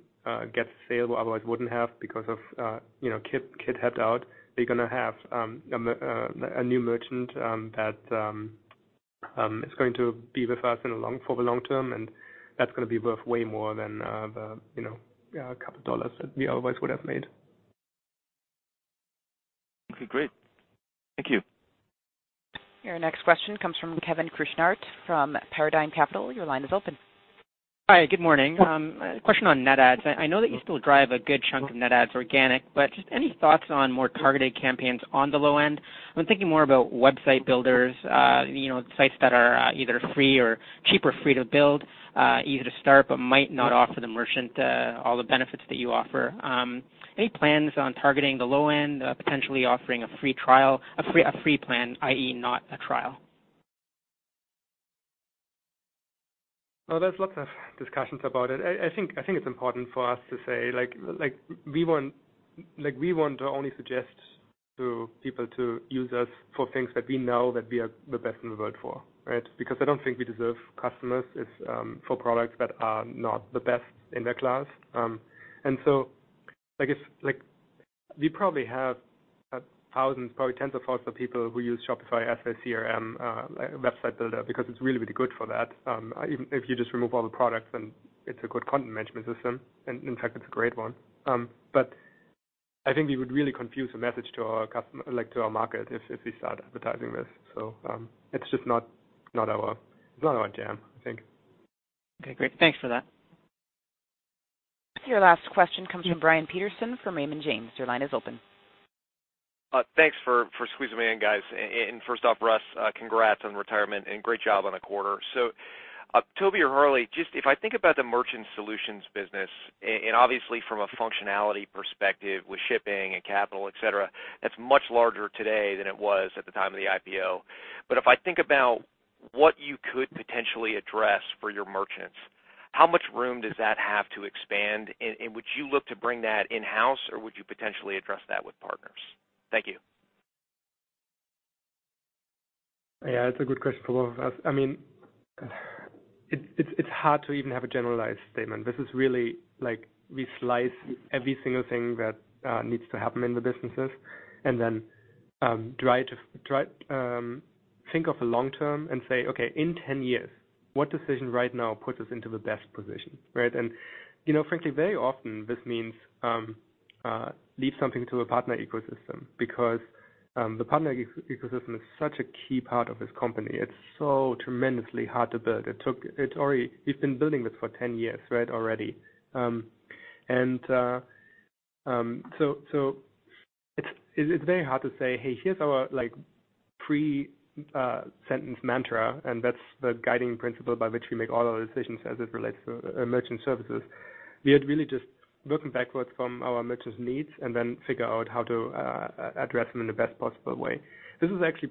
gets a sale who otherwise wouldn't have because of, you know, Kit helped out, they're gonna have a new merchant that is going to be with us for the long term, and that's gonna be worth way more than the, you know, a couple of dollars that we otherwise would have made. Okay. Great. Thank you. Your next question comes from Kevin Krishnaratne from Paradigm Capital. Your line is open. Hi, good morning. A question on net adds. I know that you still drive a good chunk of net adds organic, just any thoughts on more targeted campaigns on the low end? I'm thinking more about website builders, sites that are either free or cheap or free to build, easy to start, but might not offer the merchant all the benefits that you offer. Any plans on targeting the low end, potentially offering a free trial, a free plan, i.e., not a trial? Oh, there's lots of discussions about it. I think it's important for us to say like we want to only suggest to people to use us for things that we know that we are the best in the world for, right? Because I don't think we deserve customers if for products that are not the best in their class. So I guess, like, we probably have thousands, probably tens of thousands of people who use Shopify as a CRM website builder because it's really, really good for that. Even if you just remove all the products, then it's a good content management system. In fact, it's a great one. I think we would really confuse the message to our customer, like, to our market if we start advertising this. It's just not our, it's not our jam, I think. Okay, great. Thanks for that. Your last question comes from Brian Peterson from Raymond James. Your line is open. Thanks for squeezing me in, guys. First off, Russ, congrats on retirement and great job on the quarter. Tobi or Harley, just if I think about the merchant solutions business, and obviously from a functionality perspective with Shopify Shipping and Shopify Capital, et cetera, that's much larger today than it was at the time of the IPO. If I think about what you could potentially address for your merchants, how much room does that have to expand? Would you look to bring that in-house, or would you potentially address that with partners? Thank you. Yeah, it's a good question for both of us. I mean, it's hard to even have a generalized statement. This is really, like, we slice every single thing that needs to happen in the businesses and then try to think of the long term and say, "Okay, in 10 years, what decision right now puts us into the best position?" Right? You know, frankly, very often this means leave something to a partner ecosystem because the partner ecosystem is such a key part of this company. It's so tremendously hard to build. It's already, we've been building this for 10 years, right, already. So it's very hard to say, "Hey, here's our, like, pre-sentence mantra, and that's the guiding principle by which we make all our decisions as it relates to merchant services." We are really just working backwards from our merchants' needs and then figure out how to address them in the best possible way. This is actually,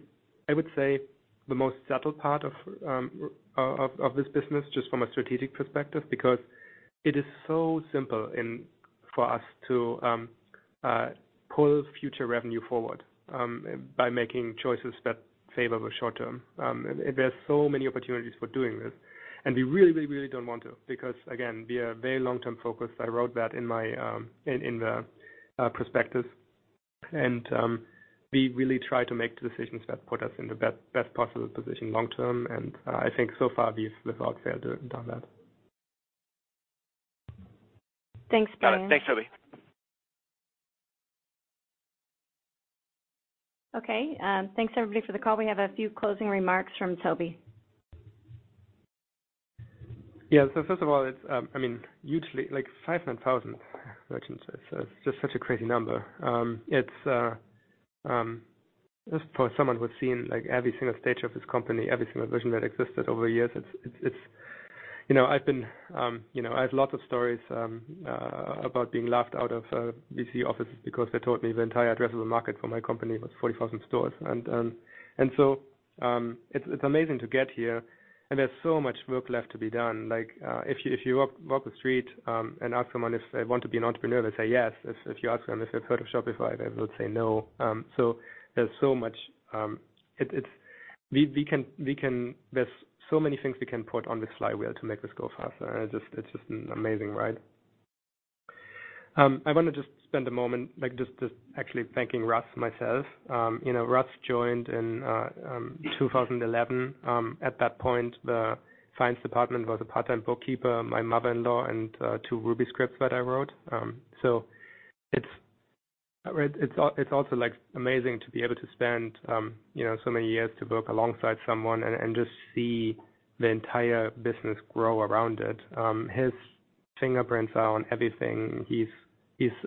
I would say, the most subtle part of this business, just from a strategic perspective. Because it is so simple in for us to pull future revenue forward by making choices that favor the short term. There's so many opportunities for doing this. We really, really, really don't want to, because again, we are very long-term focused. I wrote that in my in the prospectus. We really try to make decisions that put us in the best possible position long term. I think so far we've without fail done that. Thanks, Brian. Got it. Thanks, Tobi. Okay, thanks everybody for the call. We have a few closing remarks from Tobi. First of all, it's, I mean, hugely like 500,000 merchants. It's just such a crazy number. It's just for someone who has seen like every single stage of this company, every single version that existed over the years, it's, it's, you know, I've been, you know, I have lots of stories about being laughed out of VC offices because they told me the entire addressable market for my company was 40,000 stores. It's amazing to get here, and there's so much work left to be done. Like, if you walk the street, and ask someone if they want to be an entrepreneur, they say yes. If you ask them if they've heard of Shopify, they would say no. There's so much. There's so many things we can put on this flywheel to make this go faster. It's just an amazing ride. I wanna just actually thanking Russ myself. You know, Russ joined in 2011. At that point, the finance department was a part-time bookkeeper, my mother-in-law and 2 Ruby scripts that I wrote. It's also amazing to be able to spend, you know, so many years to work alongside someone and just see the entire business grow around it. His fingerprints are on everything. He's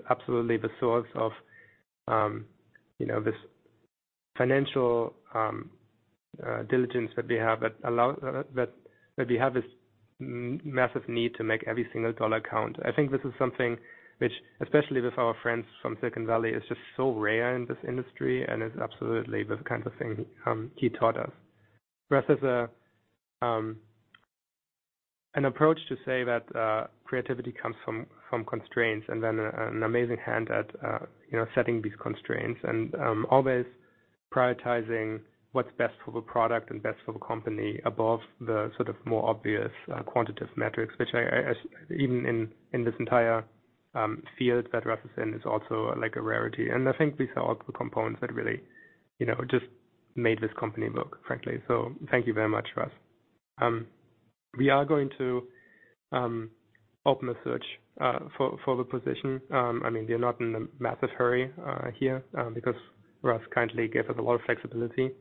absolutely the source of, you know, this financial diligence that we have that we have this massive need to make every single dollar count. I think this is something which, especially with our friends from Silicon Valley, is just so rare in this industry and is absolutely the kind of thing he taught us. Russ has an approach to say that creativity comes from constraints and then an amazing hand at, you know, setting these constraints and always prioritizing what's best for the product and best for the company above the sort of more obvious quantitative metrics, which I, even in this entire field that Russ is in, is also like a rarity. I think these are all the components that really, you know, just made this company work, frankly. Thank you very much, Russ. We are going to open a search for the position. I mean, we're not in a massive hurry here because Russ kindly gave us a lot of flexibility.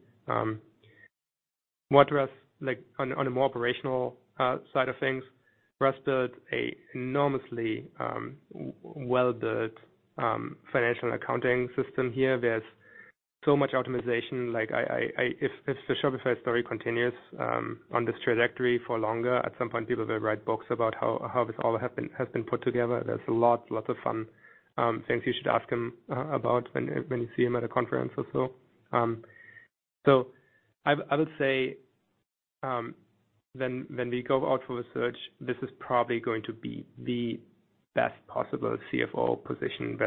What Russ, like on a more operational side of things, Russ built a enormously well-built financial accounting system here. There's so much optimization. Like I if the Shopify story continues on this trajectory for longer, at some point people will write books about how this all happened, has been put together. There's lots of fun things you should ask him about when you see him at a conference or so. I would say, when we go out for research, this is probably going to be the best possible CFO position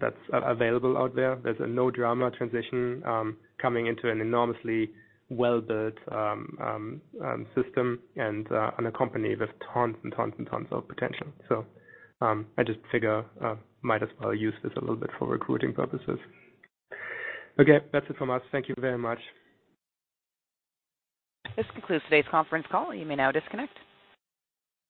that's available out there. There's a no drama transition, coming into an enormously well-built system and a company with tons and tons and tons of potential. I just figure, might as well use this a little bit for recruiting purposes. Okay, that's it from us. Thank you very much. This concludes today's conference call. You may now disconnect.